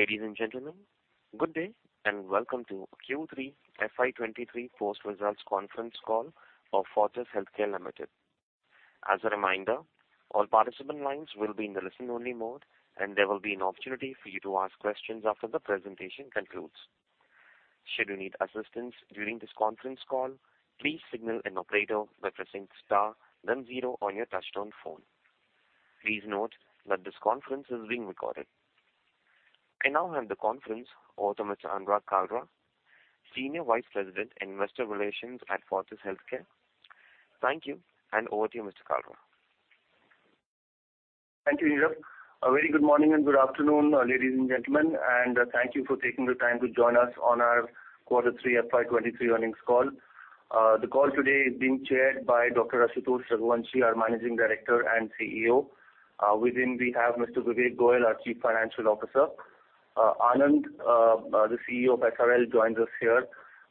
Ladies and gentlemen, good day and welcome to Q3 FY 2023 post-results conference call of Fortis Healthcare Limited. As a reminder, all participant lines will be in the listen-only mode, and there will be an opportunity for you to ask questions after the presentation concludes. Should you need assistance during this conference call, please signal an operator by pressing star then zero on your touchtone phone. Please note that this conference is being recorded. I now hand the conference over to Mr. Anurag Kalra, Senior Vice President, Investor Relations at Fortis Healthcare. Thank you, and over to you, Mr. Kalra. Thank you, Neerav. A very good morning and good afternoon, ladies and gentlemen, thank you for taking the time to join us on our Q3 FY 2023 earnings call. The call today is being chaired by Dr. Ashutosh Raghuvanshi, our Managing Director and CEO. With him we have Mr. Vivek Goyal, our Chief Financial Officer. Anand, the CEO of SRL joins us here,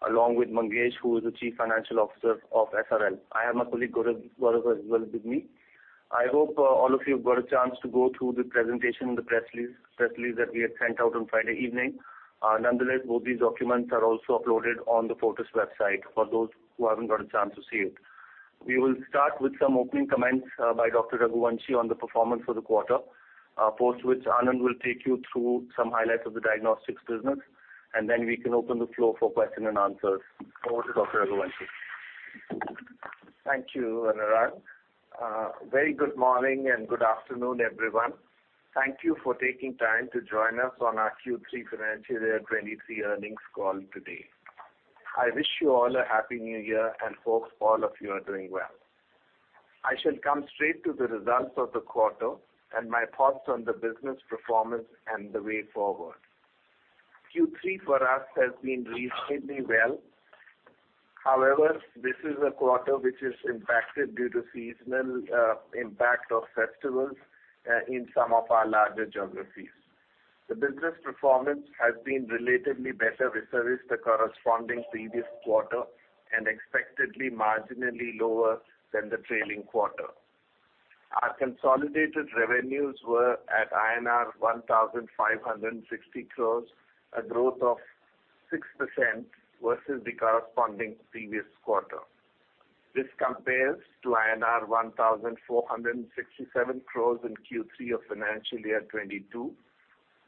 along with Mangesh, who is the Chief Financial Officer of SRL. I have my colleague, Gaurav, as well with me. I hope all of you got a chance to go through the presentation in the press release that we had sent out on Friday evening. Both these documents are also uploaded on the Fortis website for those who haven't got a chance to see it. We will start with some opening comments by Dr. Raghuvanshi on the performance for the quarter, post which Anand will take you through some highlights of the diagnostics business, and then we can open the floor for question and answers. Over to Dr. Raghuvanshi. Thank you, Anurag. Very good morning and good afternoon, everyone. Thank you for taking time to join us on our Q3 financial year 2023 earnings call today. I wish you all a Happy New Year. Hope all of you are doing well. I shall come straight to the results of the quarter and my thoughts on the business performance and the way forward. Q3 for us has been reasonably well. However, this is a quarter which is impacted due to seasonal impact of festivals in some of our larger geographies. The business performance has been relatively better vis-à-vis the corresponding previous quarter, expectedly marginally lower than the trailing quarter. Our consolidated revenues were at INR 1,560 crore, a growth of 6% versus the corresponding previous quarter. This compares to INR 1,467 crore in Q3 of FY 2022.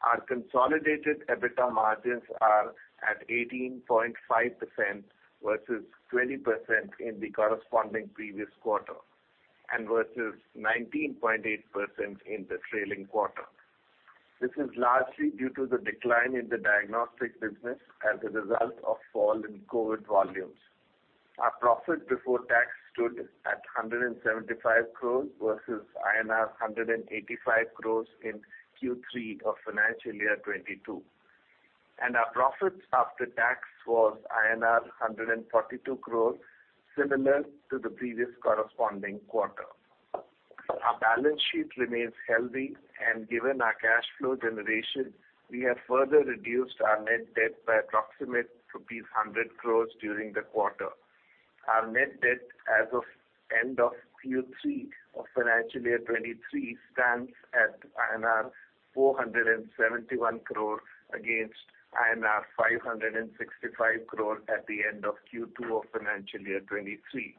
Our consolidated EBITDA margins are at 18.5% versus 20% in the corresponding previous quarter, and versus 19.8% in the trailing quarter. This is largely due to the decline in the diagnostic business as a result of fall in COVID volumes. Our profit before tax stood at 175 crore versus INR 185 crore in Q3 of FY 2022. Our profit after tax was INR 142 crore, similar to the previous corresponding quarter. Our balance sheet remains healthy, and given our cash flow generation, we have further reduced our net debt by approximate rupees 100 crores during the quarter. Our net debt as of end of Q3 of financial year 2023 stands at INR 471 crore against INR 565 crore at the end of Q2 of financial year 2023.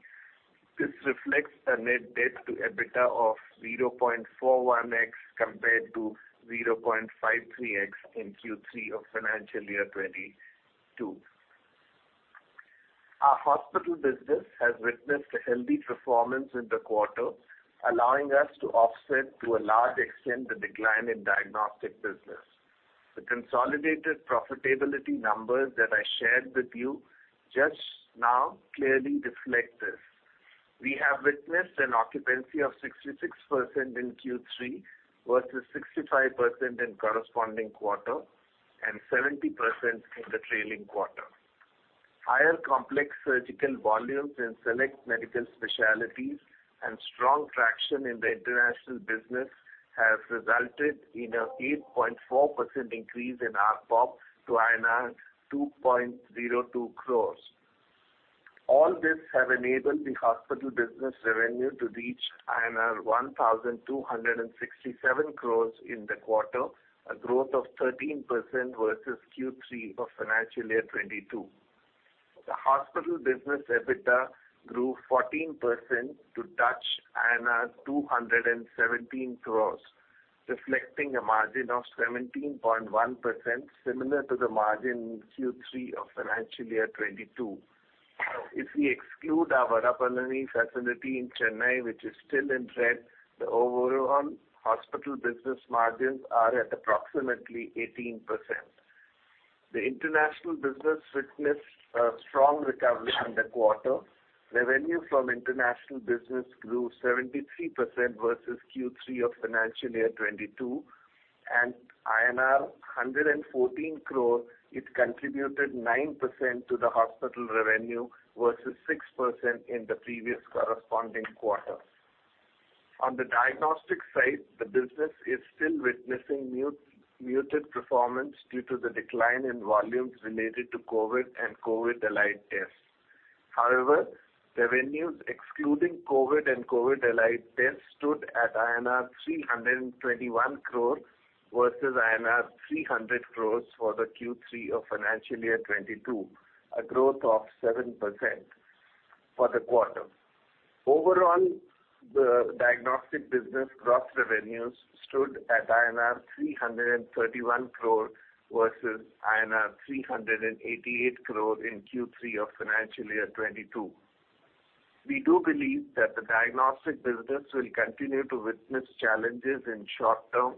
This reflects a net debt to EBITDA of 0.41x compared to 0.53x in Q3 of financial year 2022. Our hospital business has witnessed a healthy performance in the quarter, allowing us to offset to a large extent the decline in diagnostic business. The consolidated profitability numbers that I shared with you just now clearly reflect this. We have witnessed an occupancy of 66% in Q3 versus 65% in corresponding quarter and 70% in the trailing quarter. Higher complex surgical volumes in select medical specialties and strong traction in the international business has resulted in an 8.4% increase in ARPOP to INR 2.02 crore. All this has enabled the hospital business revenue to reach 1,267 crore in the quarter, a growth of 13% versus Q3 of financial year 2022. The hospital business EBITDA grew 14% to touch 217 crore, reflecting a margin of 17.1% similar to the margin in Q3 of financial year 2022. If we exclude our Vadapalani facility in Chennai, which is still in red, the overall hospital business margins are at approximately 18%. The international business witnessed a strong recovery in the quarter. Revenue from international business grew 73% versus Q3 of financial year 2022. INR 114 crore, it contributed 9% to the hospital revenue versus 6% in the previous corresponding quarter. On the diagnostic side, the business is still witnessing muted performance due to the decline in volumes related to COVID and COVID-allied tests. However, revenues excluding COVID and COVID-allied tests stood at INR 321 crore versus INR 300 crore for the Q3 of financial year 2022, a growth of 7% for the quarter. Overall, the diagnostic business gross revenues stood at INR 331 crore versus INR 388 crore in Q3 of financial year 2022. We do believe that the diagnostic business will continue to witness challenges in short term.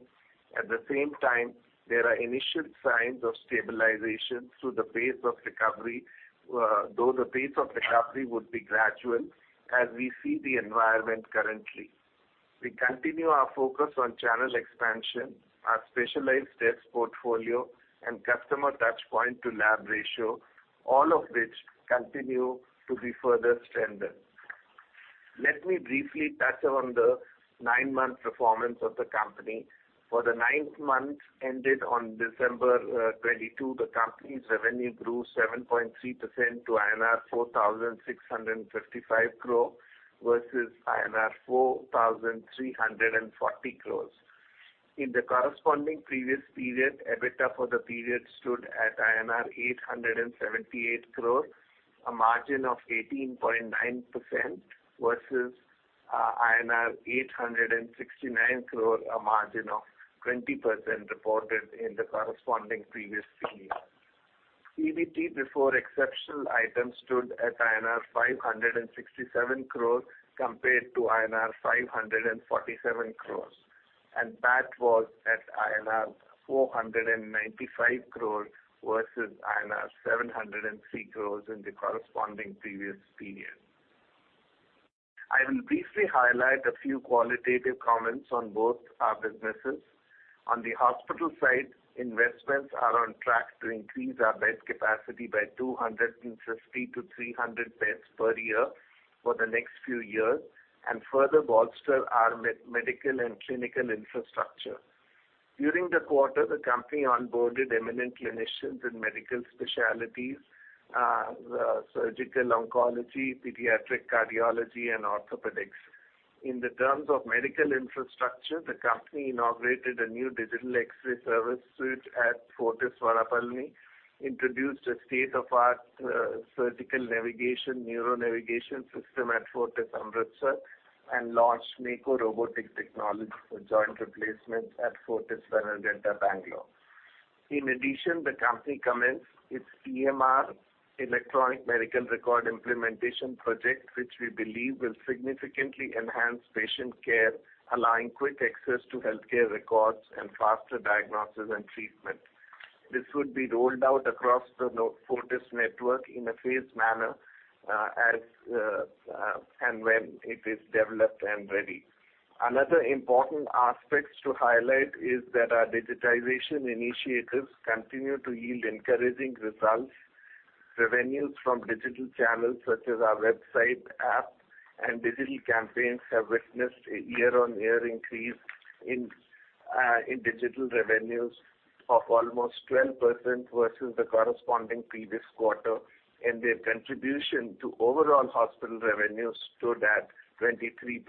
At the same time, there are initial signs of stabilization through the pace of recovery, though the pace of recovery would be gradual as we see the environment currently. We continue our focus on channel expansion, our specialized tests portfolio and customer touchpoint to lab ratio, all of which continue to be further strengthened. Let me briefly touch on the nine-month performance of the company. For the ninth month ended on December 22, the company's revenue grew 7.3% to INR 4,655 crore versus INR 4,340 crore. In the corresponding previous period, EBITDA for the period stood at INR 878 crore, a margin of 18.9% versus INR 869 crore, a margin of 20% reported in the corresponding previous period. PBT before exceptional items stood at INR 567 crore compared to INR 547 crore. PAT was at INR 495 crore versus INR 703 crore in the corresponding previous period. I will briefly highlight a few qualitative comments on both our businesses. On the hospital side, investments are on track to increase our bed capacity by 260 to 300 beds per year for the next few years and further bolster our medical and clinical infrastructure. During the quarter, the company onboarded eminent clinicians in medical specialties, surgical oncology, pediatric cardiology and orthopedics. In the terms of medical infrastructure, the company inaugurated a new digital X-ray service suite at Fortis, Vadapalani, introduced a state-of-the-art surgical navigation, neuro navigation system at Fortis, Amritsar, and launched Mako robotic technology for joint replacements at Fortis, Bannerghatta, Bengaluru. In addition, the company commenced its EMR, electronic medical record implementation project, which we believe will significantly enhance patient care, allowing quick access to healthcare records and faster diagnosis and treatment. This would be rolled out across the Fortis network in a phased manner, as and when it is developed and ready. Another important aspects to highlight is that our digitization initiatives continue to yield encouraging results. Revenues from digital channels such as our website, app and digital campaigns have witnessed a year-on-year increase in digital revenues of almost 12% versus the corresponding previous quarter, and their contribution to overall hospital revenue stood at 23%.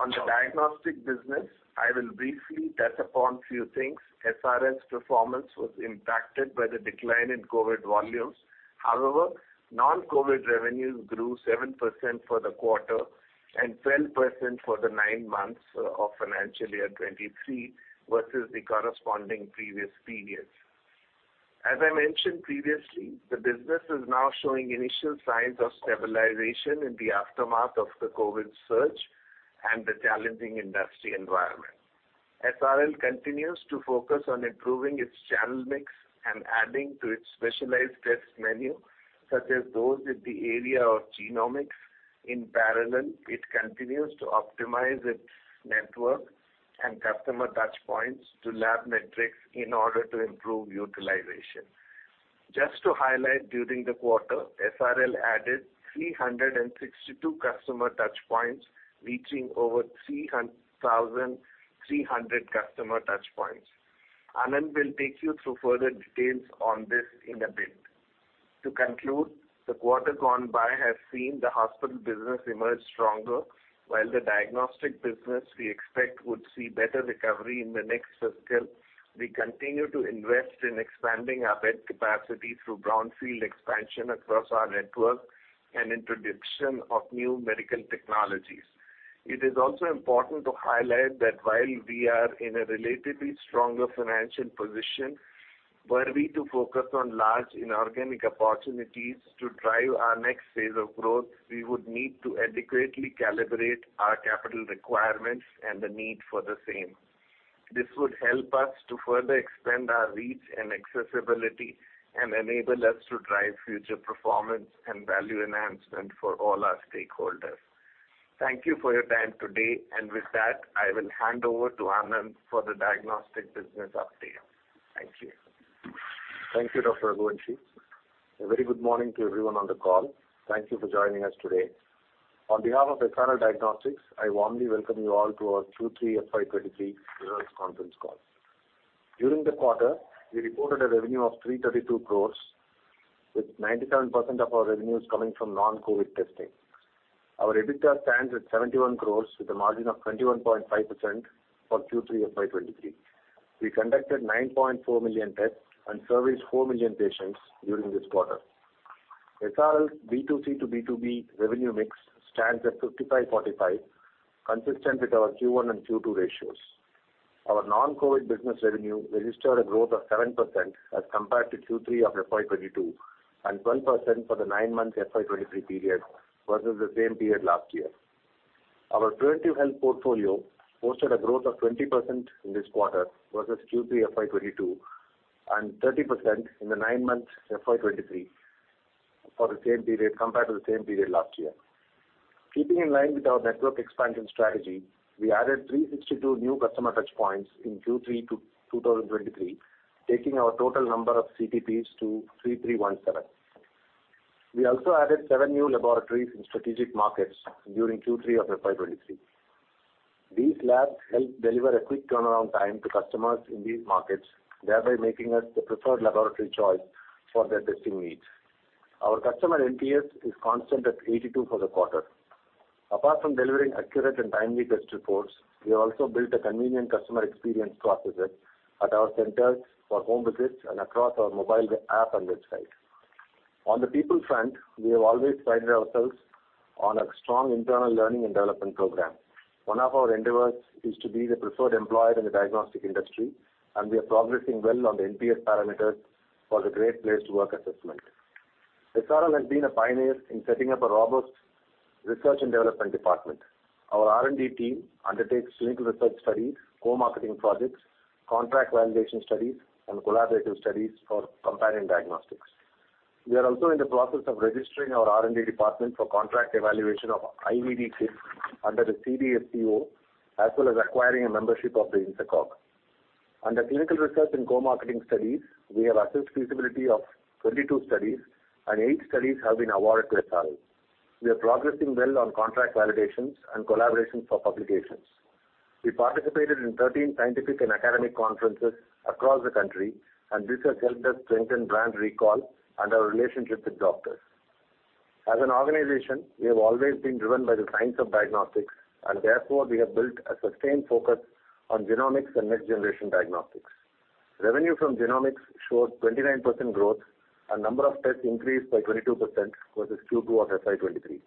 On the diagnostic business, I will briefly touch upon few things. SRL's performance was impacted by the decline in COVID volumes. However, non-COVID revenues grew 7% for the quarter and 12% for the nine months of financial year 2023 versus the corresponding previous periods. As I mentioned previously, the business is now showing initial signs of stabilization in the aftermath of the COVID surge and the challenging industry environment. SRL continues to focus on improving its channel mix and adding to its specialized test menu, such as those in the area of genomics. In parallel, it continues to optimize its network and customer touchpoints to lab metrics in order to improve utilization. Just to highlight, during the quarter, SRL added 362 customer touchpoints, reaching over 3,300 customer touchpoints. Anand will take you through further details on this in a bit. The quarter gone by has seen the hospital business emerge stronger, while the diagnostic business we expect would see better recovery in the next fiscal. We continue to invest in expanding our bed capacity through brownfield expansion across our network and introduction of new medical technologies. It is also important to highlight that while we are in a relatively stronger financial position, were we to focus on large inorganic opportunities to drive our next phase of growth, we would need to adequately calibrate our capital requirements and the need for the same. This would help us to further expand our reach and accessibility and enable us to drive future performance and value enhancement for all our stakeholders. Thank you for your time today. With that, I will hand over to Anand for the diagnostic business update. Thank you. Thank you, Dr. Raghuvanshi. A very good morning to everyone on the call. Thank you for joining us today. On behalf of SRL Diagnostics, I warmly welcome you all to our Q3 FY 2023 results conference call. During the quarter, we reported a revenue of 332 crore, with 97% of our revenues coming from non-COVID testing. Our EBITDA stands at 71 crore with a margin of 21.5% for Q3 FY 2023. We conducted 9.4 million tests and serviced 4 million patients during this quarter. SRL B2C to B2B revenue mix stands at 55/45, consistent with our Q1 and Q2 ratios. Our non-COVID business revenue registered a growth of 7% as compared to Q3 of FY 2022, and 12% for the nine month FY 2023 period versus the same period last year. Our preventive health portfolio posted a growth of 20% in this quarter versus Q3 FY 2022, and 30% in the nine month FY 2023 for the same period compared to the same period last year. Keeping in line with our network expansion strategy, we added 362 new customer touchpoints in Q3 to 2023, taking our total number of CTPs to 3,317. We also added seven new laboratories in strategic markets during Q3 of FY 2023. These labs help deliver a quick turnaround time to customers in these markets, thereby making us the preferred laboratory choice for their testing needs. Our customer NPS is constant at 82 for the quarter. Apart from delivering accurate and timely test reports, we have also built a convenient customer experience processes at our centers for home visits and across our mobile app and website. On the people front, we have always prided ourselves on a strong internal learning and development program. One of our endeavors is to be the preferred employer in the diagnostic industry, and we are progressing well on the NPS parameters for the Great Place to Work assessment. SRL has been a pioneer in setting up a robust research and development department. Our R&D team undertakes clinical research studies, co-marketing projects, contract validation studies, and collaborative studies for companion diagnostics. We are also in the process of registering our R&D department for contract evaluation of IVD kits under the CDSCO, as well as acquiring a membership of the INSACOG. Under clinical research and co-marketing studies, we have assessed feasibility of 22 studies, and eight studies have been awarded to SRL. We are progressing well on contract validations and collaborations for publications. We participated in 13 scientific and academic conferences across the country. This has helped us strengthen brand recall and our relationship with doctors. As an organization, we have always been driven by the science of diagnostics. Therefore, we have built a sustained focus on genomics and next generation diagnostics. Revenue from genomics showed 29% growth. Number of tests increased by 22% versus Q2 of FY 2023.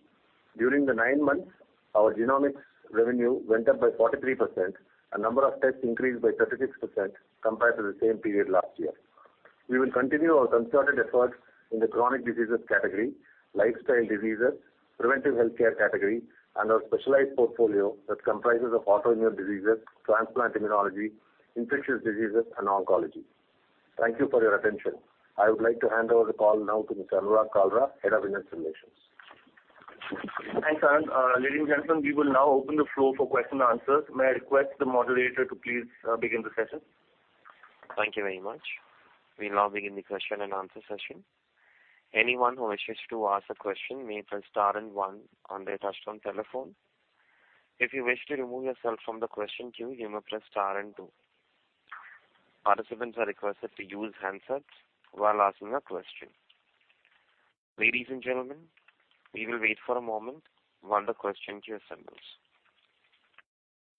During the nine months, our genomics revenue went up by 43%. Number of tests increased by 36% compared to the same period last year. We will continue our concerted efforts in the chronic diseases category, lifestyle diseases, preventive healthcare category, and our specialized portfolio that comprises of autoimmune diseases, transplant immunology, infectious diseases, and oncology. Thank you for your attention. I would like to hand over the call now to Mr. Anurag Kalra, Head of Investor Relations. Thanks, Anand. Ladies and gentlemen, we will now open the floor for question and answers. May I request the moderator to please begin the session. Thank you very much. We now begin the question and answer session. Anyone who wishes to ask a question may press star one on their touchtone telephone. If you wish to remove yourself from the question queue, you may press star two. Participants are requested to use handsets while asking a question. Ladies and gentlemen, we will wait for a moment while the question queue assembles.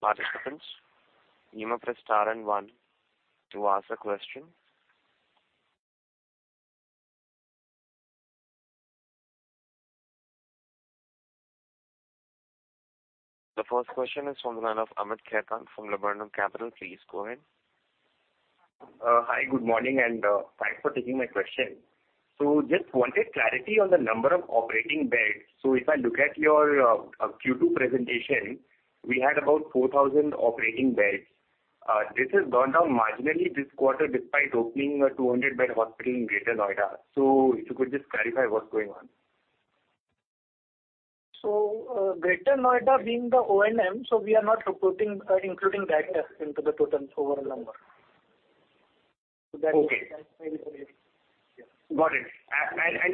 Participants, you may press star one to ask a question. The first question is from the line of Amit Khetan from Laburnum Capital. Please go ahead. Hi, good morning, and thanks for taking my question. Just wanted clarity on the number of operating beds. If I look at your Q2 presentation, we had about 4,000 operating beds. This has gone down marginally this quarter despite opening a 200-bed hospital in Greater Noida. If you could just clarify what's going on? Greater Noida being the O&M, we are not reporting, including that into the total overall number. Okay. That's maybe the reason. Yeah. Got it.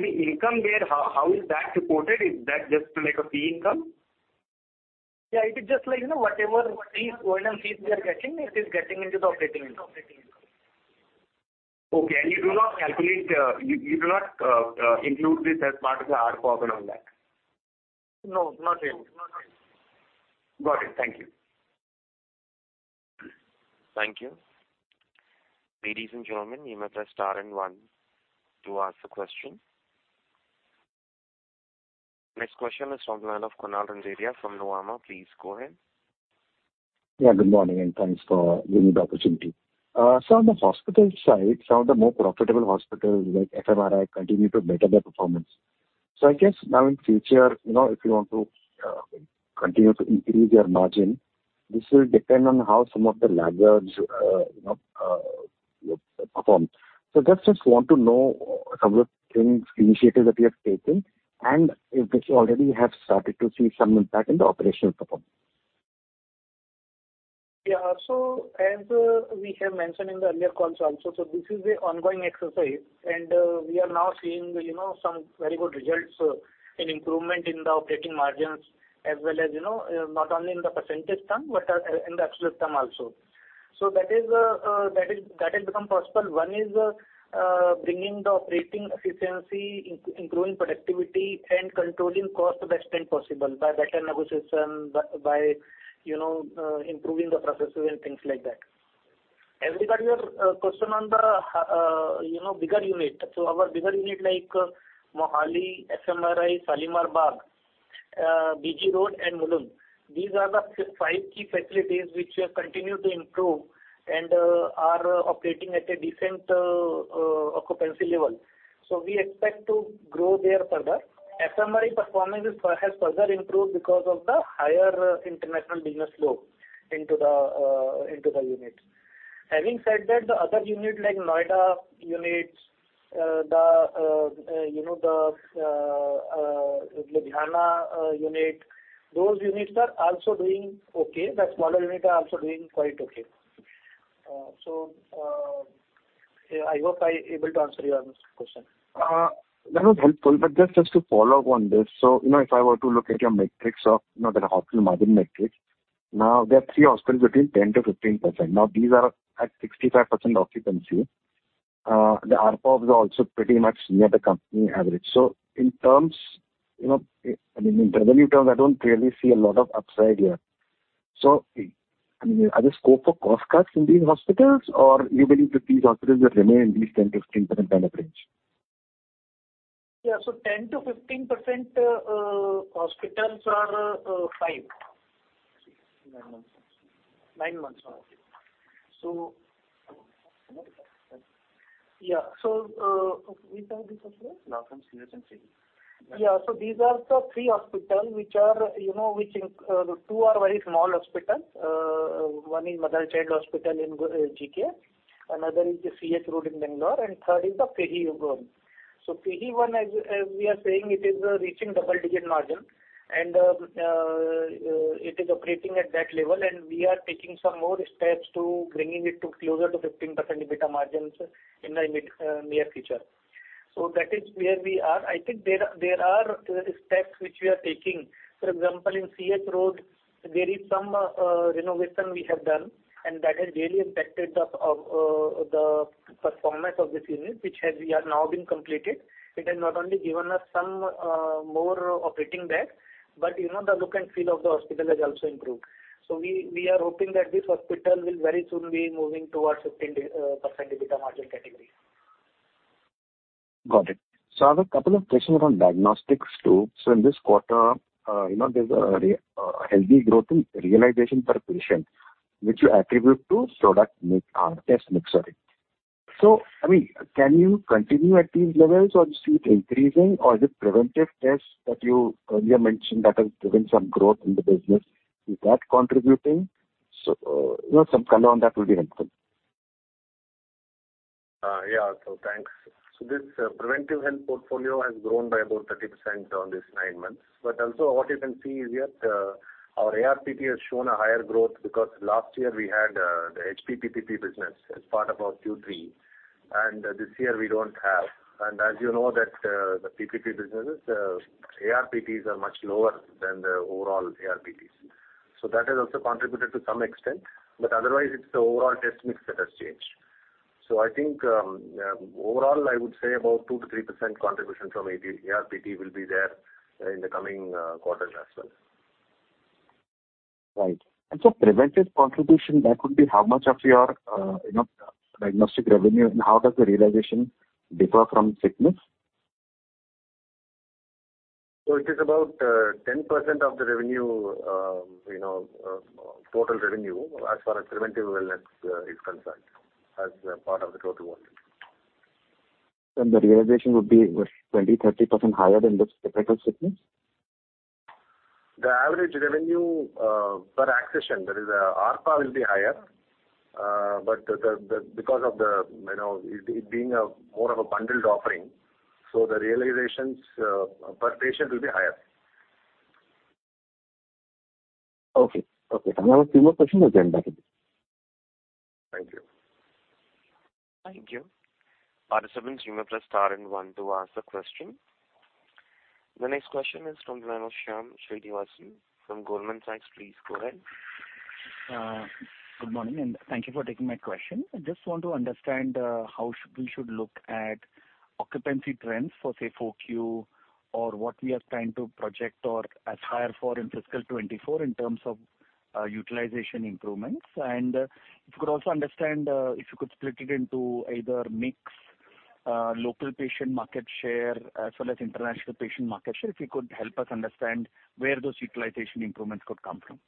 The income there, how is that reported? Is that just like a fee income? Yeah, it is just like, you know, whatever fees, O&M fees we are getting, it is getting into the operating income. Okay. And you do not calculate... You do not include this as part of the ARPOB and all that? No, not really. Got it. Thank you. Thank you. Ladies and gentlemen, you may press star and one to ask a question. Next question is from the line of Kunal Randeria from Nuvama. Please go ahead. Good morning, and thanks for giving the opportunity. On the hospital side, some of the more profitable hospitals like FMRI continue to better their performance. I guess now in future, you know, if you want to continue to increase your margin, this will depend on how some of the laggards, you know, perform. I just want to know some of the things, initiatives that you have taken and if you already have started to see some impact in the operational performance. Yeah. As we have mentioned in the earlier calls also, this is an ongoing exercise, and we are now seeing, you know, some very good results, in improvement in the operating margins as well as, you know, not only in the percentage term, but in the absolute term also. That is, that has become possible. One is bringing the operating efficiency, improving productivity and controlling cost the best way possible, by better negotiation, by, you know, improving the processes and things like that. As regarding your question on the, you know, bigger unit. Our bigger unit like Mohali, FMRI, Shalimar Bagh, BG Road and Mulund. These are the five key facilities which we have continued to improve and are operating at a decent occupancy level. We expect to grow there further. FMRI performance has further improved because of the higher international business load into the unit. Having said that, the other unit like Noida units, the, you know, the Ludhiana unit, those units are also doing okay. The smaller unit are also doing quite okay. Yeah, I hope I able to answer your question. That was helpful, but just to follow up on this. You know, if I were to look at your metrics of, you know, the hospital margin metrics, now there are three hospitals between 10%-15%. Now, these are at 65% occupancy. The ARPOVs are also pretty much near the company average. In terms, you know, I mean, in revenue terms, I don't really see a lot of upside here. I mean, are there scope for cost cuts in these hospitals, or you believe that these hospitals will remain in this 10%-15% kind of range? Yeah. 10%-15%, hospitals are, five. Nine months. Nine months. Yeah. Which are these hospitals? Ludhiana, Mohali and FEHI. Yeah. These are the three hospitals which are, you know, which in two are very small hospitals. One is Mother and Child Hospital in GK, another is the CH road in Bengaluru, and third is the FEHI, Gurgaon. FEHI one, as we are saying, it is reaching double-digit margin and it is operating at that level, and we are taking some more steps to bringing it to closer to 15% EBITDA margins in the mid near future. That is where we are. I think there are steps which we are taking. For example, in CH Road, there is some renovation we have done, and that has really impacted the performance of this unit, which has we are now being completed. It has not only given us some more operating debt, but you know, the look and feel of the hospital has also improved. We are hoping that this hospital will very soon be moving towards 15% EBITDA margin category. Got it. I have a couple of questions around diagnostics too. In this quarter, you know, there's a healthy growth in realization per patient, which you attribute to product mix, test mix, sorry. I mean, can you continue at these levels or do you see it increasing or is it preventive tests that you earlier mentioned that has driven some growth in the business? Is that contributing? you know, some color on that will be helpful. Yeah. Thanks. This preventive health portfolio has grown by about 30% on this nine months. Also what you can see is here, our ARPT has shown a higher growth because last year we had the HPPP business as part of our Q3, and this year we don't have. As you know that, the PPP businesses, ARPTs are much lower than the overall ARPTs. That has also contributed to some extent. Otherwise, it's the overall test mix that has changed. I think, overall, I would say about 2%-3% contribution from ARPT will be there in the coming quarters as well. Right. preventive contribution, that would be how much of your, you know, diagnostic revenue, and how does the realization differ from sickness? It is about, 10% of the revenue, you know, total revenue as far as preventive wellness is concerned, as a part of the total volume. The realization would be what, 20%-30% higher than the typical sickness? The average revenue per accession, that is ARPA, will be higher. Because of the, you know, it being a more of a bundled offering, the realizations per patient will be higher. Okay. Okay. I have a few more questions, then back with you. Thank you. Thank you. Operator, please mute yourself star and one to ask the question. The next question is from Shyam Srinivasan from Goldman Sachs. Please go ahead. Good morning, and thank you for taking my question. I just want to understand how we should look at occupancy trends for, say, Q4 or what we are trying to project or aspire for in fiscal 2024 in terms of utilization improvements. If you could also understand if you could split it into either mix, local patient market share as well as international patient market share. If you could help us understand where those utilization improvements could come from.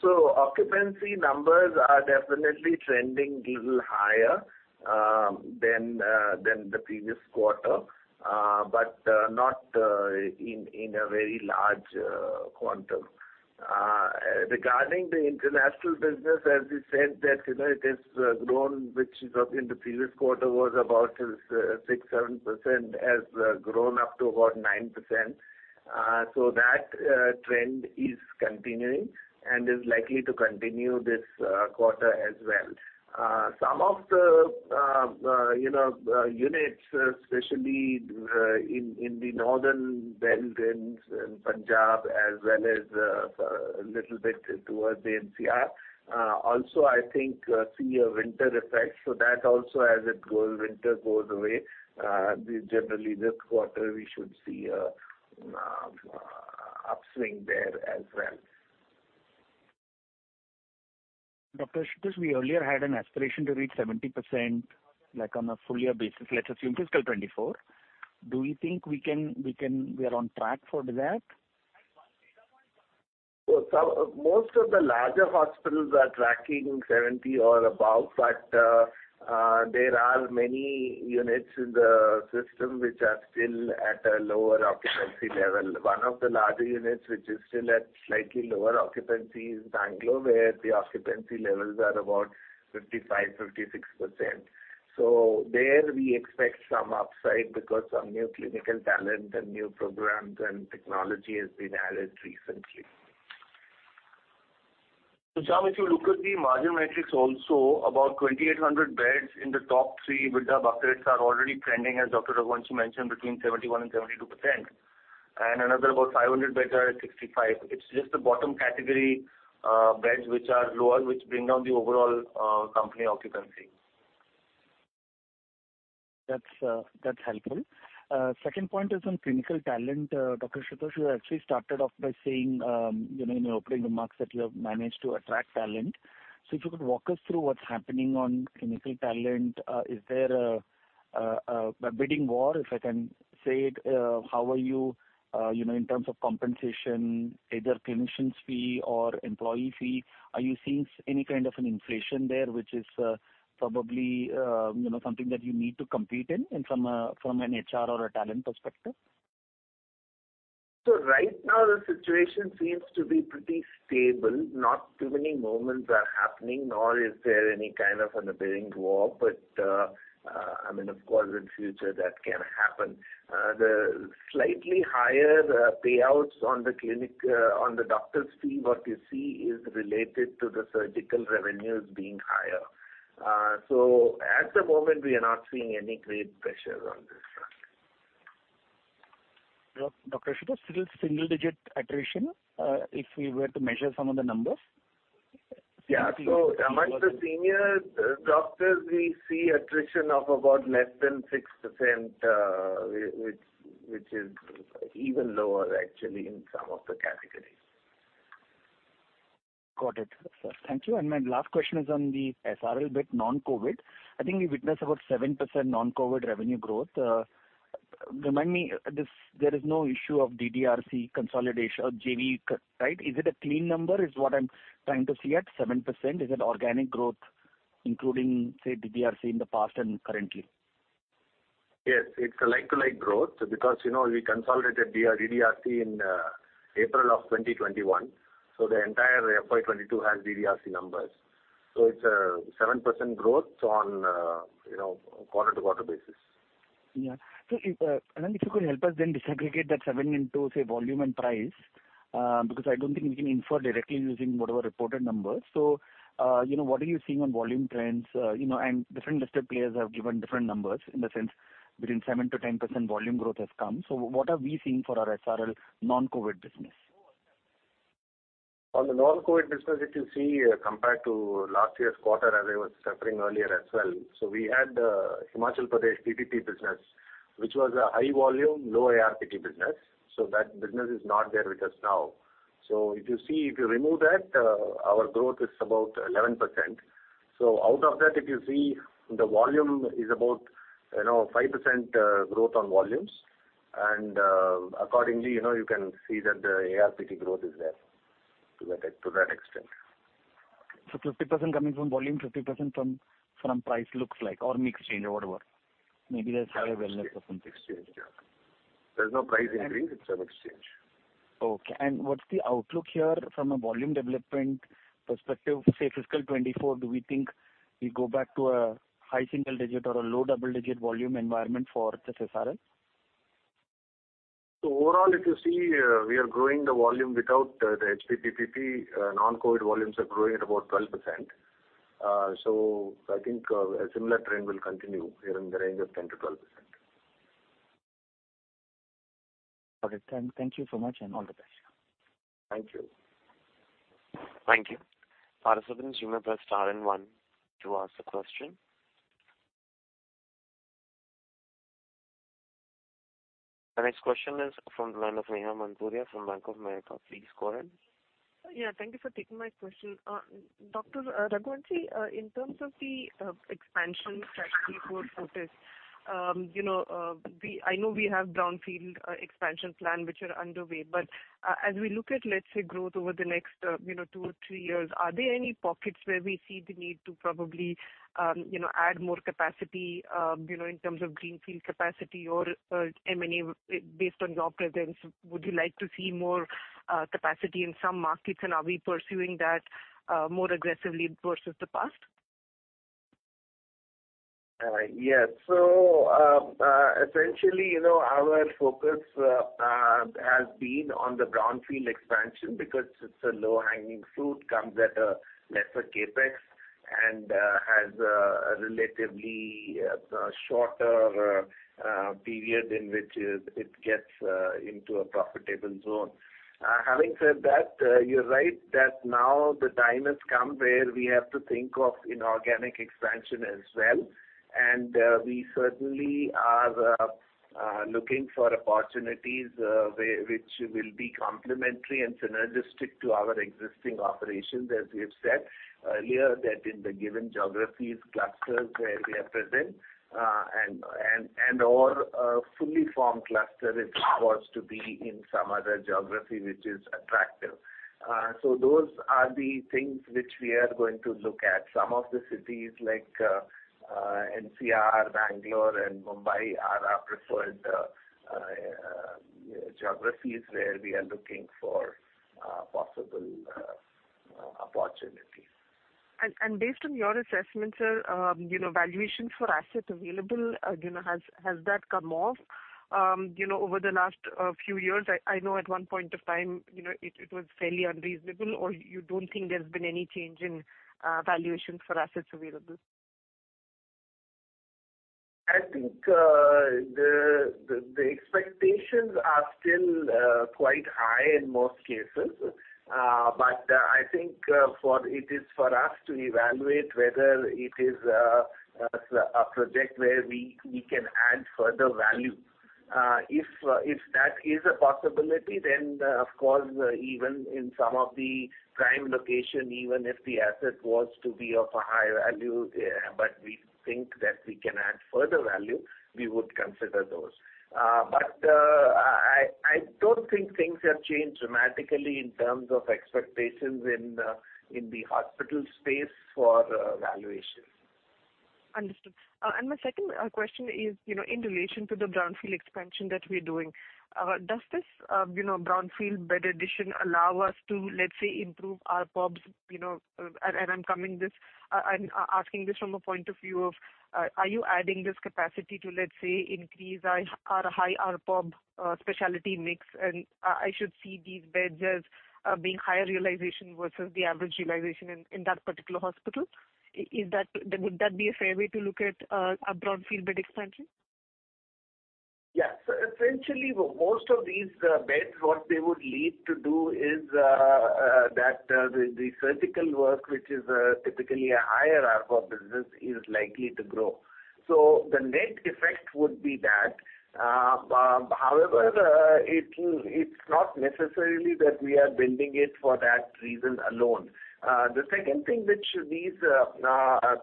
Sure. Occupancy numbers are definitely trending little higher than the previous quarter, but not in a very large quantum. Regarding the international business, as we said that, you know, it has grown, which in the previous quarter was about 6%-7%, has grown up to about 9%. That trend is continuing and is likely to continue this quarter as well. Some of the, you know, units, especially in northern belt and Punjab, as well as little bit towards the NCR. Also, I think, see a winter effect. That also as winter goes away, generally this quarter we should see upswing there as well. Dr. Ashutosh, we earlier had an aspiration to reach 70%, like on a full year basis, let's assume fiscal 2024. Do you think we are on track for that? Most of the larger hospitals are tracking 70 or above, but there are many units in the system which are still at a lower occupancy level. One of the larger units which is still at slightly lower occupancy is Bangalore, where the occupancy levels are about 55%, 56%. There we expect some upside because some new clinical talent and new programs and technology has been added recently. Sam, if you look at the margin matrix also, about 2,800 beds in the top three vintage buckets are already trending, as Dr. Raghuvanshi mentioned, between 71% and 72%. Another about 500 beds are at 65%. Just the bottom category, beds which are lower, which bring down the overall company occupancy. That's helpful. Second point is on clinical talent. Dr. Ashutosh, you actually started off by saying, you know, in your opening remarks that you have managed to attract talent. If you could walk us through what's happening on clinical talent. Is there a bidding war, if I can say it? How are you know, in terms of compensation, either clinicians fee or employee fee? Are you seeing any kind of an inflation there, which is probably, you know, something that you need to compete in from an HR or a talent perspective? Right now the situation seems to be pretty stable. Not too many movements are happening, nor is there any kind of an appearing war. I mean, of course, in future that can happen. The slightly higher payouts on the clinic on the doctor's fee, what you see is related to the surgical revenues being higher. At the moment, we are not seeing any great pressure on this front. Dr. Ashutosh, still single digit attrition, if we were to measure some of the numbers? Yeah. Among the senior, doctors we see attrition of about less than 6%, which is even lower actually in some of the categories. Got it. Thank you. My last question is on the SRL bit, non-COVID. I think we witnessed about 7% non-COVID revenue growth. Remind me, there is no issue of DDRC consolidation or JV, right? Is it a clean number, is what I'm trying to see at 7%? Is it organic growth, including, say, DDRC in the past and currently? It's a like to like growth, because, you know, we consolidated DDRC in April of 2021, so the entire FY 2022 has DDRC numbers. It's a 7% growth on, you know, quarter-to-quarter basis. Yeah. If you could help us then disaggregate that seven into, say, volume and price, because I don't think we can infer directly using whatever reported numbers. You know, what are you seeing on volume trends? You know, different listed players have given different numbers, in the sense between 7%-10% volume growth has come. What are we seeing for our SRL non-COVID business? On the non-COVID business, if you see, compared to last year's quarter as I was covering earlier as well, we had Himachal Pradesh PPP business, which was a high volume, low ARPT business. That business is not there with us now. If you see, if you remove that, our growth is about 11%. Out of that if you see the volume is about, you know, 5%, growth on volumes. Accordingly, you know, you can see that the ARPT growth is there to that extent. 50% coming from volume, 50% from price looks like or mix change or whatever. Maybe there's a higher wellness content. There's no price increase. It's a mix change. Okay. What's the outlook here from a volume development perspective, say fiscal 2024? Do we think we go back to a high single digit or a low double digit volume environment for just SRL? Overall, if you see, we are growing the volume without the HPPP, non-COVID volumes are growing at about 12%. I think a similar trend will continue here in the range of 10%-12%. Okay. Thank you so much. All the best. Thank you. Thank you. Operator, please remember to star and one to ask a question. Our next question is from line of Neha Manpuria from Bank of America. Please go ahead. Thank you for taking my question. Dr. Raghuvanshi, in terms of the expansion strategy going forward, I know we have brownfield expansion plan which are underway, as we look at, let's say, growth over the next two or three years, are there any pockets where we see the need to probably add more capacity in terms of greenfield capacity or M&A based on your presence? Would you like to see more capacity in some markets? Are we pursuing that more aggressively versus the past? Yes. Essentially, you know, our focus has been on the brownfield expansion because it's a low-hanging fruit, comes at a lesser CapEx. And has a relatively shorter period in which it gets into a profitable zone. Having said that, you're right that now the time has come where we have to think of inorganic expansion as well. We certainly are looking for opportunities which will be complementary and synergistic to our existing operations, as we have said earlier, that in the given geographies clusters where we are present, and/or a fully formed cluster if it was to be in some other geography which is attractive. Those are the things which we are going to look at. Some of the cities like NCR, Bengaluru and Mumbai are our preferred geographies where we are looking for possible opportunities. Based on your assessment, sir, you know, valuation for assets available, you know, has that come off, you know, over the last, few years? I know at one point of time, you know, it was fairly unreasonable, or you don't think there's been any change in valuation for assets available? I think, the expectations are still quite high in most cases. I think, it is for us to evaluate whether it is a project where we can add further value. If that is a possibility, then of course, even in some of the prime location, even if the asset was to be of a high value, but we think that we can add further value, we would consider those. I don't think things have changed dramatically in terms of expectations in the hospital space for valuation. Understood. My second question is, you know, in relation to the brownfield expansion that we're doing. Does this, you know, brownfield bed addition allow us to, let's say, improve ARPOB, you know, I'm asking this from a point of view of, are you adding this capacity to, let's say, increase our high ARPOP specialty mix, and I should see these beds as being higher realization versus the average realization in that particular hospital. Would that be a fair way to look at a brownfield bed expansion? Yes. Essentially, most of these beds, what they would lead to do is that the surgical work, which is typically a higher ARPOP business, is likely to grow. The net effect would be that. However, it's not necessarily that we are building it for that reason alone. The second thing which these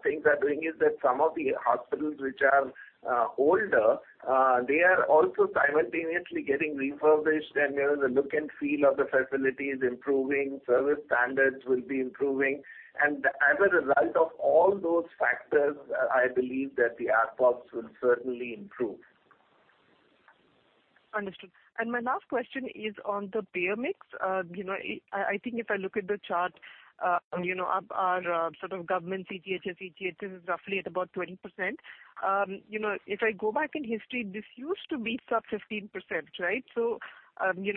things are doing is that some of the hospitals which are older, they are also simultaneously getting refurbished and, you know, the look and feel of the facility is improving, service standards will be improving. As a result of all those factors, I believe that the ARPOP will certainly improve. Understood. My last question is on the payer mix. you know, I think if I look at the chart, you know, our sort of government CGHS, ECHS is roughly at about 20%. you know, if I go back in history, this used to be sub 15%, right?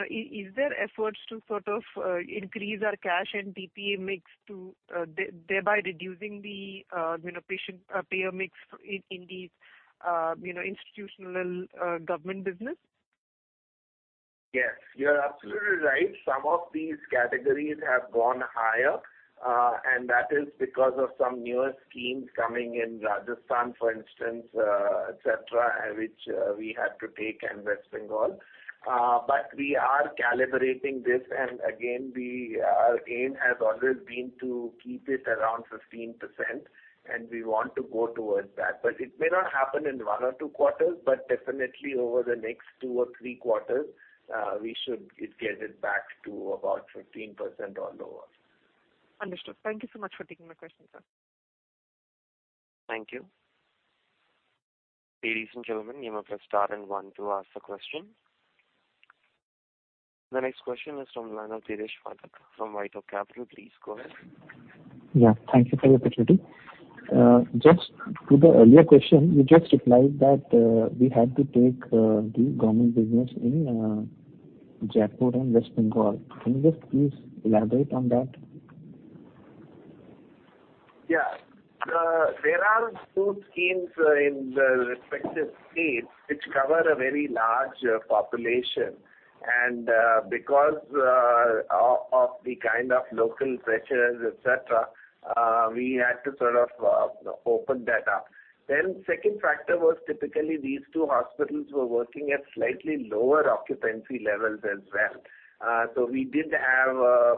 Is there efforts to sort of increase our cash and TPA mix to thereby reducing the, you know, patient, payer mix in these, you know, institutional, government business? Yes, you're absolutely right. Some of these categories have gone higher, and that is because of some newer schemes coming in Rajasthan, for instance, et cetera, which we had to take in West Bengal. We are calibrating this. Our aim has always been to keep it around 15%, and we want to go towards that. It may not happen in one or two quarters, but definitely over the next two or three quarters, we should get it back to about 15% or lower. Understood. Thank you so much for taking my question, sir. Thank you. Ladies and gentlemen, you may press star and one to ask the question. The next question is from Dheeresh Pathak from WhiteOak Capital. Please go ahead. Yeah, thank you for the opportunity. Just to the earlier question, you just replied that we had to take the government business in Jaipur and West Bengal. Can you just please elaborate on that? Yeah. There are two schemes in the respective states which cover a very large population. Because of the kind of local pressures, et cetera, we had to sort of open that up. Second factor was typically these two hospitals were working at slightly lower occupancy levels as well. We did have a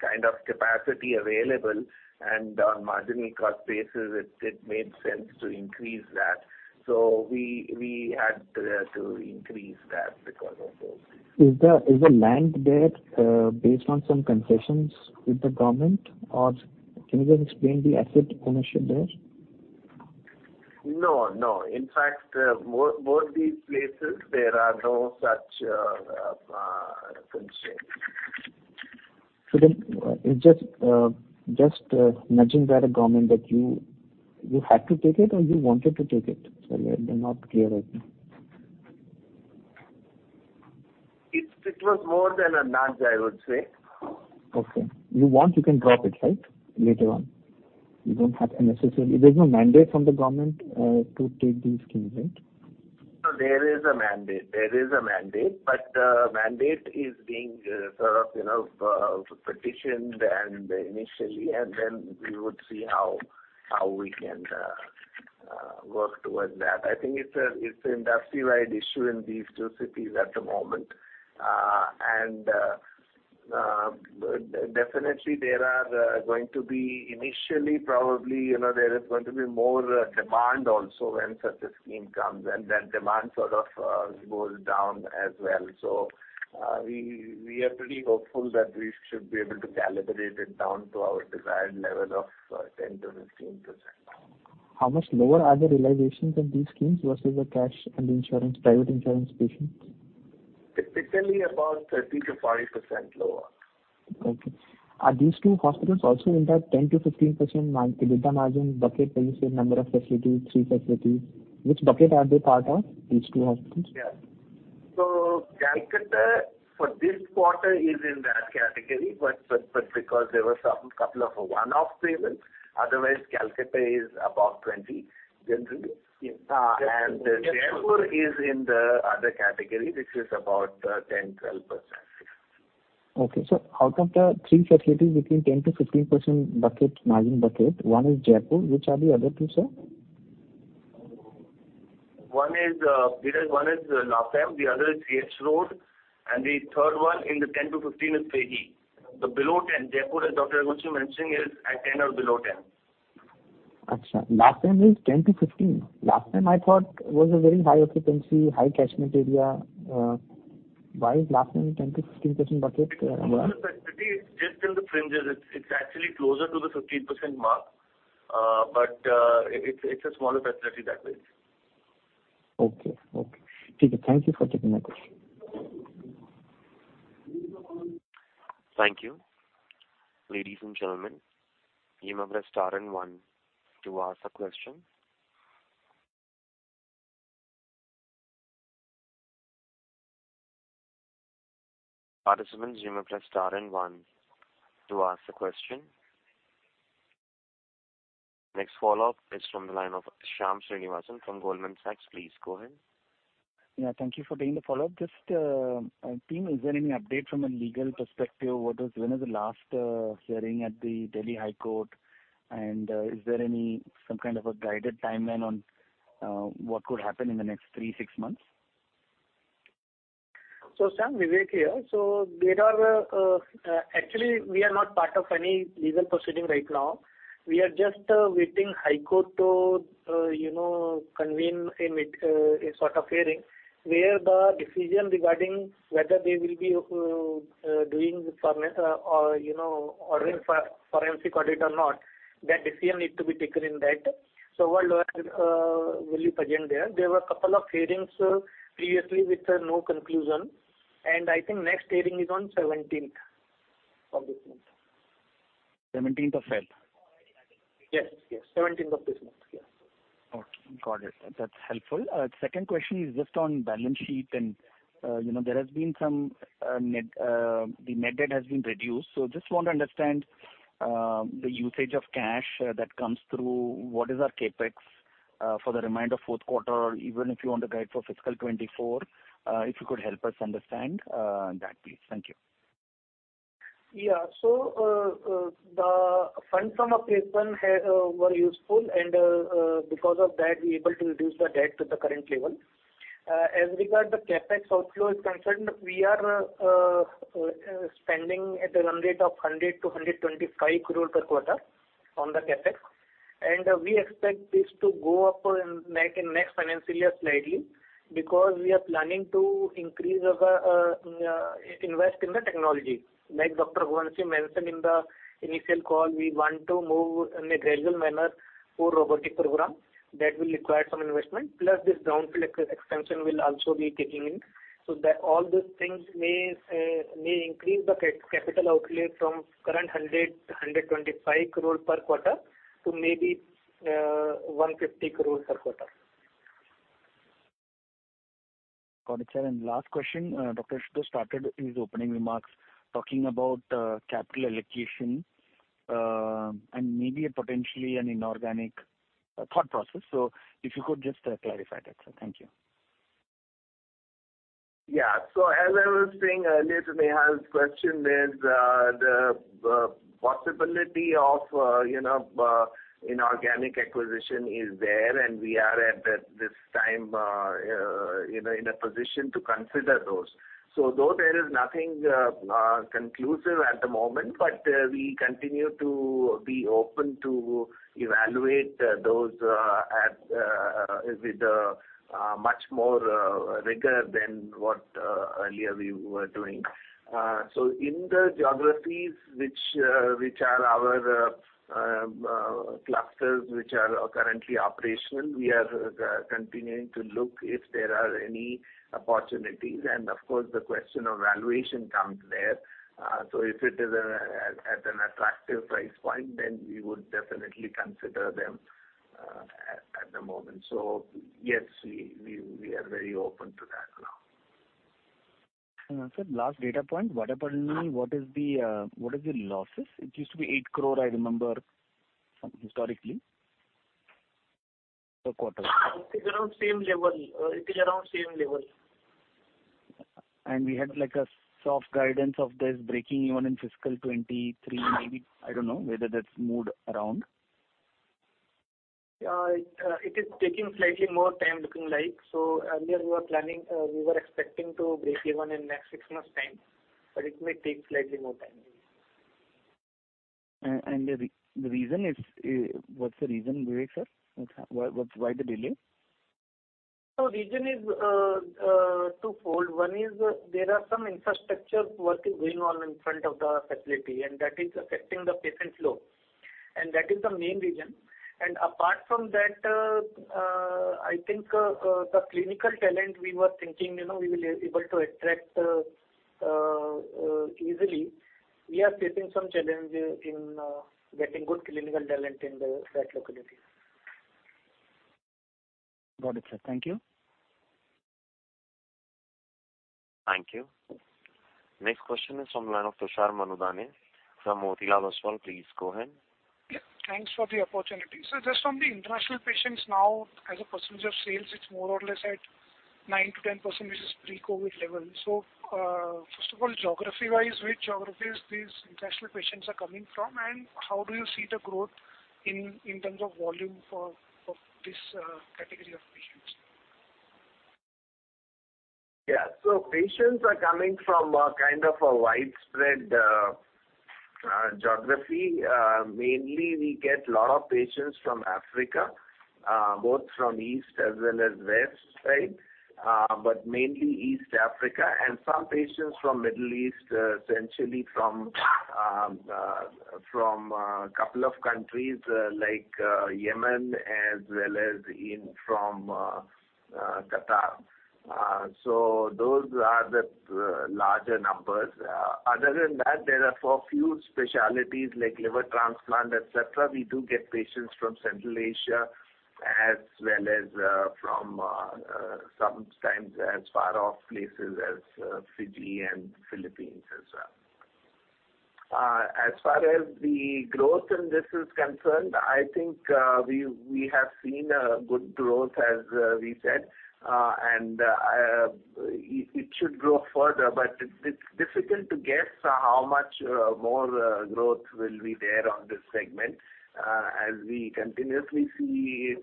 kind of capacity available and on marginal cost basis it made sense to increase that. We had to increase that because of those. Is the land there, based on some concessions with the government, or can you just explain the asset ownership there? No, no. In fact, both these places there are no such constraints. Just nudging by the government that you had to take it or you wanted to take it? Sorry, I'm not clear right now. It was more than a nudge, I would say. Okay. You want, you can drop it, right, later on? There's no mandate from the government to take these schemes, right? No, there is a mandate. There is a mandate. The mandate is being, sort of, you know, petitioned and initially, then we would see how we can work towards that. I think it's an industry-wide issue in these two cities at the moment. Definitely there are going to be initially probably, you know, there is going to be more demand also when such a scheme comes and then demand sort of, goes down as well. We are pretty hopeful that we should be able to calibrate it down to our desired level of 10%-15%. How much lower are the realizations on these schemes versus the cash and insurance, private insurance patients? Typically about 30%-40% lower. Okay. Are these two hospitals also in that 10%-15% EBITDA margin bucket when you say number of facilities, three facilities? Which bucket are they part of, these two hospitals? Yeah. Kolkata for this quarter is in that category, but because there were some couple of one-off payments, otherwise Kolkata is above 20 generally. Yes. Jaipur is in the other category, which is about 10%-12%. Okay. Out of the three facilities between 10%-15% bucket, margin bucket, one is Jaipur. Which are the other two, sir? One is, because one is La Femme, the other is CH Road, and the third one in the 10-15 is FEHI. The below 10, Jaipur, as Dr. Raghuvanshi mentioned, is at 10 or below 10. Last time is 10-15%. Last time, I thought was a very high occupancy, high catchment area. Why is Last time in 10-15% bucket? It's a small facility. It's just in the fringes. It's actually closer to the 15% mark. It's a smaller facility that way. Okay. Okay. Thank you for taking my question. Thank you. Ladies and gentlemen, you may press star and one to ask a question. Participants, you may press star and one to ask a question. Next follow-up is from the line of Shyam Srinivasan from Goldman Sachs. Please go ahead. Yeah, thank you for taking the follow-up. Just, team, is there any update from a legal perspective? When is the last hearing at the Delhi High Court? Is there any some kind of a guided timeline on what could happen in the next three, six months? Shyam, Vivek here. There are, actually, we are not part of any legal proceeding right now. We are just waiting High Court to, you know, convene a meet, a sort of hearing where the decision regarding whether they will be doing or, you know, ordering forensic audit or not, that decision need to be taken in that. Our lawyers will be present there. There were a couple of hearings previously with no conclusion, and I think next hearing is on 17th of this month. 17th of Feb? Yes. Yes. 17th of this month. Yes. Okay. Got it. That's helpful. Second question is just on balance sheet. You know, there has been some net, the net debt has been reduced. Just want to understand the usage of cash that comes through. What is our CapEx for the remainder fourth quarter, even if you want to guide for fiscal 2024, if you could help us understand that, please. Thank you. Yeah. So the funds from our placement were useful and because of that we're able to reduce the debt to the current level. As regard the CapEx outflow is concerned, we are spending at a run rate of 100- 125 crore per quarter on the CapEx. We expect this to go up in next financial year slightly because we are planning to increase our invest in the technology. Like Dr. Raghuvanshi mentioned in the initial call, we want to move in a gradual manner for robotic program. That will require some investment. Plus this Brownfield expansion will also be kicking in. All those things may increase the capital outlay from current 100- 125 crore per quarter to maybe 150 crore per quarter. Got it, sir. Last question, Dr. Ashutosh started his opening remarks talking about capital allocation and maybe potentially an inorganic thought process. If you could just clarify that, sir. Thank you. Yeah. As I was saying earlier to Nehal's question is, the possibility of, you know, inorganic acquisition is there, and we are at this time, you know, in a position to consider those. Though there is nothing conclusive at the moment, but we continue to be open to evaluate those at with much more rigor than what earlier we were doing. In the geographies which are our clusters which are currently operational, we are continuing to look if there are any opportunities. Of course, the question of valuation comes there. If it is at an attractive price point, then we would definitely consider them.... moment. Yes, we are very open to that now. Sir, last data point. Vadapalani, what is the losses? It used to be 8 crore, I remember from historically, per quarter. It is around same level. It is around same level. We had like a soft guidance of this breaking even in fiscal 2023, maybe. I don't know whether that's moved around. It is taking slightly more time looking like. Earlier we were planning, we were expecting to break even in next six months time. It may take slightly more time. The reason is, what's the reason Vivek sir? What's, why the delay? Reason is twofold. One is there are some infrastructure work is going on in front of the facility, and that is affecting the patient flow, and that is the main reason. Apart from that, I think the clinical talent we were thinking, you know, we will be able to attract easily. We are facing some challenges in getting good clinical talent in that locality. Got it, sir. Thank you. Thank you. Next question is from the line of Tushar Manudhane from Motilal Oswal. Please go ahead. Thanks for the opportunity. Just from the international patients now as a percentage of sales, it's more or less at 9%-10%, which is pre-COVID level. First of all, geography-wise, which geographies these international patients are coming from, and how do you see the growth in terms of volume for this category of patients? Patients are coming from a kind of a widespread geography. Mainly we get lot of patients from Africa, both from East as well as West side, but mainly East Africa, and some patients from Middle East, essentially from two countries like Yemen as well as in from Qatar. Those are the larger numbers. Other than that, there are for few specialties like liver transplant, et cetera, we do get patients from Central Asia as well as from sometimes as far off places as Fiji and Philippines as well. As far as the growth in this is concerned, I think, we have seen a good growth as we said, and it should grow further. It's difficult to guess how much more growth will be there on this segment, as we continuously see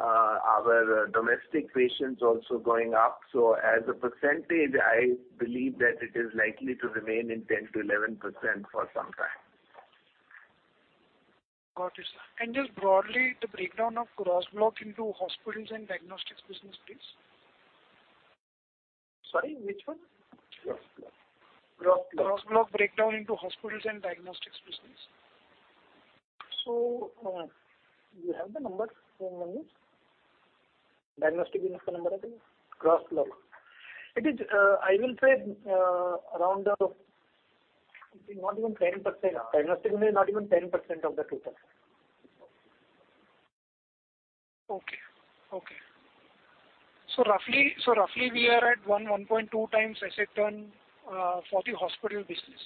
our domestic patients also going up. As a percentage, I believe that it is likely to remain in 10%-11% for some time. Got it, sir. Just broadly, the breakdown of Gross Block into hospitals and diagnostics business, please. Sorry, which one? Gross Block. Gross Block breakdown into hospitals and diagnostics business. Do you have the numbers in hand? Diagnostic business the number I think. Gross Block. It is, I will say, around not even 10%. Diagnostic is not even 10% of the total. Okay. Okay. Roughly we are at 1.2 times asset turn for the hospital business,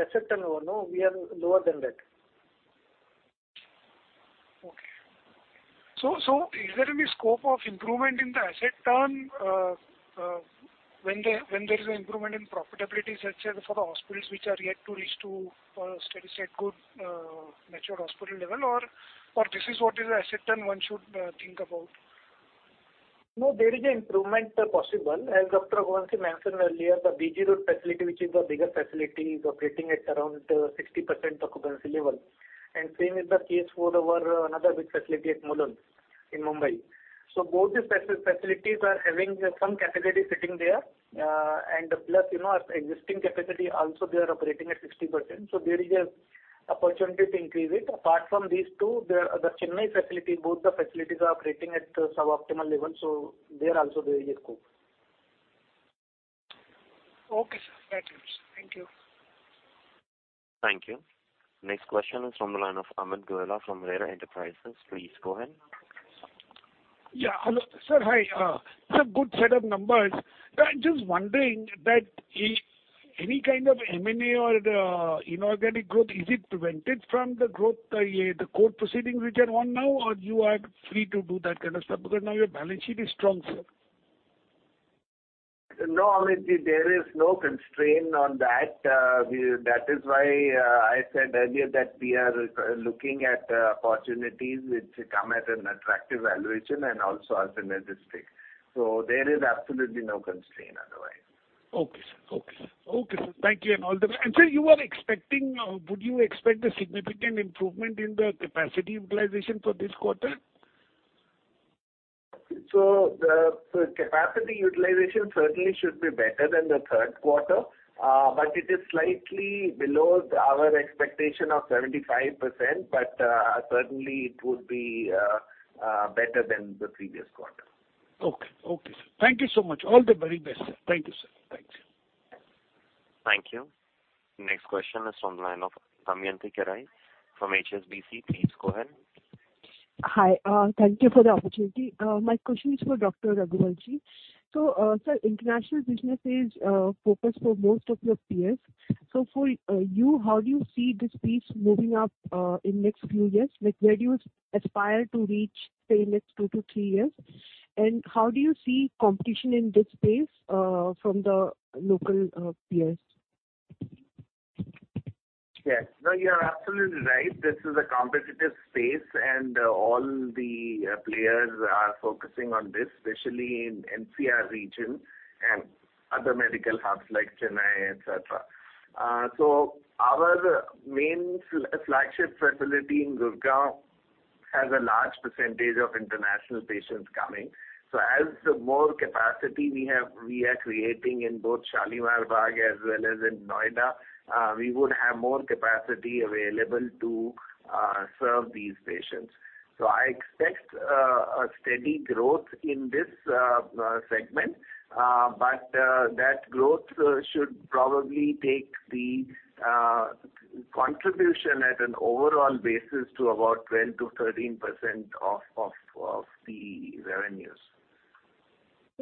right? Asset turn no. We are lower than that. Okay. Is there any scope of improvement in the asset turn, when there is an improvement in profitability, such as for the hospitals which are yet to reach to a steady state, good, mature hospital level or this is what is the asset turn one should think about? No, there is an improvement possible. As Dr. Raghuvanshi mentioned earlier, the BG Road facility, which is the bigger facility, is operating at around 60% occupancy level. Same is the case for our another big facility at Mulund in Mumbai. Both these facilities are having some capacity sitting there. Plus, you know, existing capacity also they are operating at 60%, so there is a opportunity to increase it. Apart from these two, there are the Chennai facility, both the facilities are operating at suboptimal level, so there also there is a scope. Okay, sir. Got you. Thank you. Thank you. Next question is from the line of Amit Goela from Rare Enterprises. Please go ahead. Hello. Sir hi. It's a good set of numbers. I'm just wondering that any kind of M&A or inorganic growth, is it prevented from the growth, the court proceedings which are on now or you are free to do that kind of stuff? Because now your balance sheet is strong, sir. No, Amit. There is no constraint on that. That is why, I said earlier that we are looking at opportunities which come at an attractive valuation and also synergistic. There is absolutely no constraint otherwise. Okay, sir. Okay, sir. Okay, sir. Thank you. Sir, you are expecting or would you expect a significant improvement in the capacity utilization for this quarter? The capacity utilization certainly should be better than the third quarter, but it is slightly below our expectation of 75%. Certainly it would be better than the previous quarter. Okay. Okay, sir. Thank you so much. All the very best, sir. Thank you, sir. Thank you. Next question is from the line of Damayanti Kerai from HSBC. Please go ahead. Hi, thank you for the opportunity. My question is for Dr. Raghuvanshi. Sir, international business is focused for most of your peers. For you, how do you see this piece moving up in next few years? Like, where do you aspire to reach, say, next two to three years? How do you see competition in this space from the local peers? Yes. No, you are absolutely right. This is a competitive space, and all the players are focusing on this, especially in NCR region and other medical hubs like Chennai, et cetera. Our main flagship facility in Gurgaon has a large percentage of international patients coming. As the more capacity we have, we are creating in both Shalimar Bagh as well as in Noida, we would have more capacity available to serve these patients. I expect a steady growth in this segment. That growth should probably take the contribution at an overall basis to about 12%-13% of the revenues.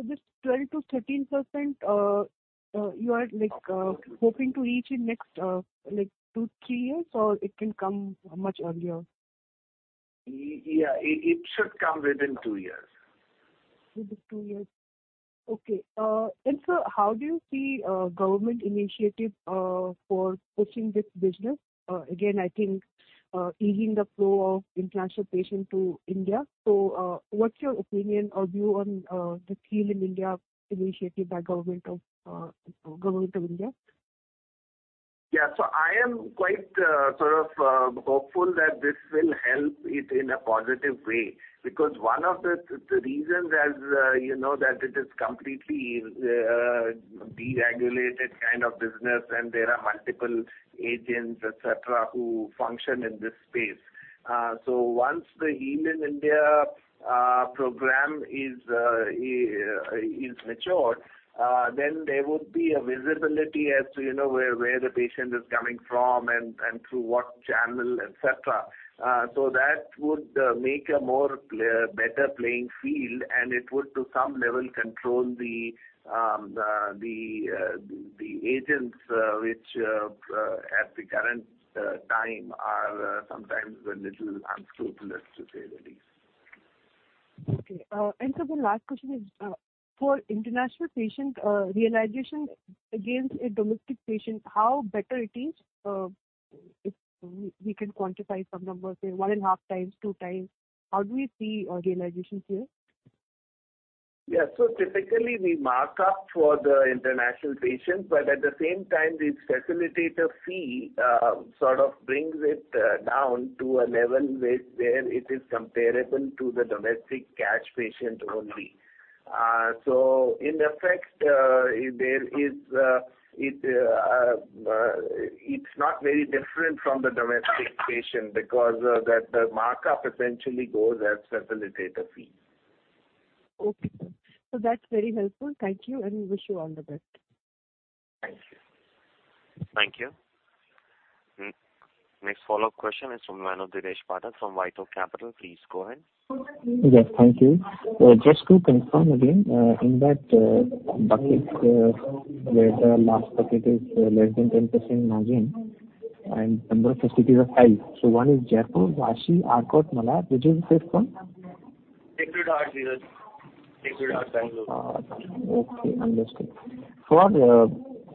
This 12%-13%, you are, like, hoping to reach in next, like two to three years, or it can come much earlier? Yeah, it should come within two years. Within two years. Okay. Sir, how do you see government initiative for pushing this business? Again, I think, easing the flow of international patient to India. What's your opinion or view on the Heal in India initiative by government of India? I am quite, sort of, hopeful that this will help it in a positive way, because one of the reasons, as, you know, that it is completely deregulated kind of business and there are multiple agents, et cetera, who function in this space. Once the Heal in India program is matured, then there would be a visibility as to, you know, where the patient is coming from and through what channel, et cetera. That would make a better playing field, and it would to some level control the agents, which at the current time are sometimes a little unscrupulous, to say the least. Okay. Sir, the last question is for international patient realization against a domestic patient, how better it is, if we can quantify some numbers, say one and a half times, two times? How do we see realizations here? Yeah. Typically we mark up for the international patients. At the same time, the facilitator fee, sort of brings it down to a level where it is comparable to the domestic cash patient only. In effect, there is, it's not very different from the domestic patient because, that, the markup essentially goes as facilitator fee. Okay. That's very helpful. Thank you, and we wish you all the best. Thank you. Thank you. Next follow-up question is from the line of Dheeresh Pathak from WhiteOak Capital. Please go ahead. Yes, thank you. Just to confirm again, in that bucket, where the last bucket is less than 10% margin and number of facilities are high. one is Jaipur, Vashi, Arcot, Malar. Which is the fifth one? FEHI Bengaluru. Okay, understood. For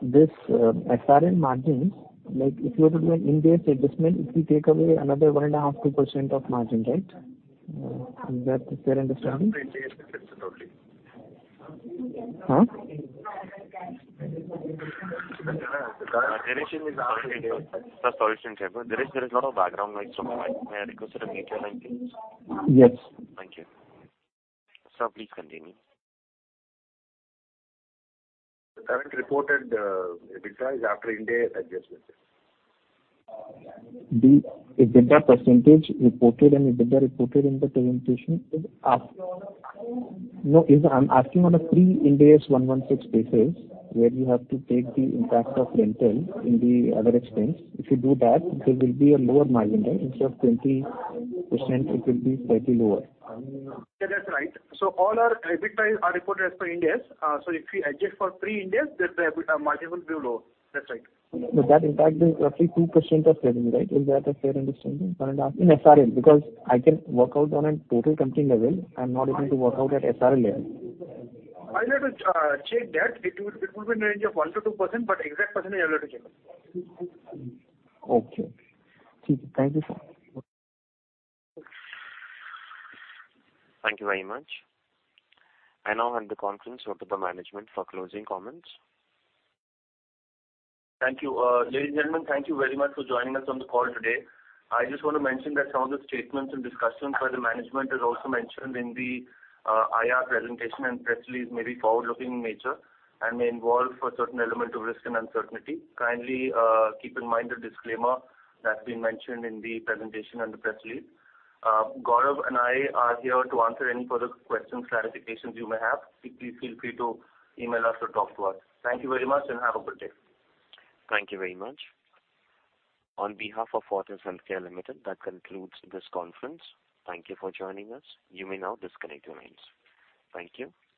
this SRL margins, like if you were to do an Ind AS adjustment, it will take away another 1.5%-2% of margin, right? Is that a fair understanding? Sir, sorry to interrupt. Dheeresh, there is a lot of background noise from my end. May I request you to mute your line, please? Yes. Thank you. Sir, please continue. The current reported EBITDA is after Ind AS adjustment. The EBITDA percentage reported and EBITDA reported in the presentation is after. No, I'm asking on a pre-Ind AS 116 basis, where you have to take the impact of rental in the other expense. If you do that, there will be a lower margin there. Instead of 20%, it will be slightly lower. Yeah, that's right. All our EBITDA are reported as per Ind AS. If we adjust for pre-Ind AS, then the margin will be lower. That's right. That impact is roughly 2% of revenue, right? Is that a fair understanding, 1.5%? In SRL, because I can work out on a total company level. I'm not able to work out at SRL level. I'll have to check that. It will be in the range of 1%-2%, but exact percentage I'll have to check. Okay. Thank you, sir. Thank you very much. I now hand the conference over to the management for closing comments. Thank you. Ladies and gentlemen, thank you very much for joining us on the call today. I just want to mention that some of the statements and discussions by the management, as also mentioned in the IR presentation and press release may be forward-looking in nature and may involve a certain element of risk and uncertainty. Kindly keep in mind the disclaimer that's been mentioned in the presentation and the press release. Gaurav and I are here to answer any further questions, clarifications you may have. Please feel free to email us or talk to us. Thank you very much, and have a good day. Thank you very much. On behalf of Fortis Healthcare Limited, that concludes this conference. Thank you for joining us. You may now disconnect your lines. Thank you.